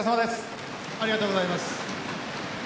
ありがとうございます。